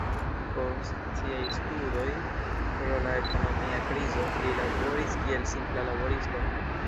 Post siaj studoj pro la ekonomia krizo li laboris kiel simpla laboristo.